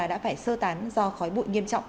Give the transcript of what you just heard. đã phải sơ tán do khói bụi nghiêm trọng